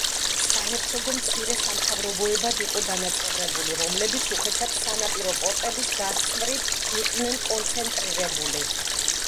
საჰერცოგო მცირე სამთავროებად იყო დანაწევრებული, რომლებიც უხეშად სანაპირო პორტების გასწვრივ იყვნენ კონცენტრირებული.